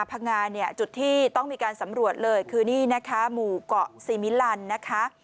พังงาเนี่ยจุดที่ต้องมีการสำรวจเลยคือนี่นะคะหมู่เกาะซีมิลันนะคะ